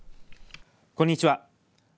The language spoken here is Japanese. こんにちは。